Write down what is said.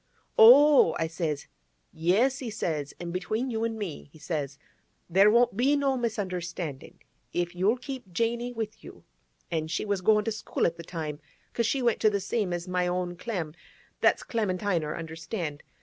"Oh!" I says. "Yes," he says; "an' between you an' me," he says, "there won't be no misunderstanding. If you'll keep Janey with you"—an' she was goin' to school at the time, 'cause she went to the same as my own Clem—that's Clemintiner—understand?